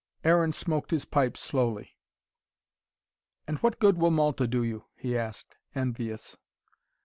Aaron smoked his pipe slowly. "And what good will Malta do you?" he asked, envious.